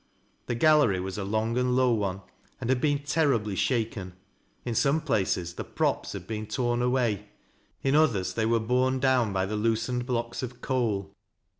'' The gallery was a long and low one, and had been ter ribly shaken. In some places the props had been toix away, in others they were borne down by the loose vA blocks of coal.